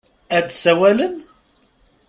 Ad d-sawalen?